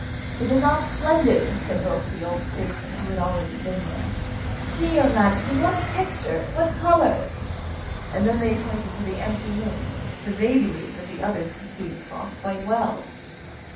'Is it not splendid!' said both the old statesmen who had already been there. 'See, your Majesty, what a texture! What colours!' And then they pointed to the empty loom, for they believed that the others could see the cloth quite well.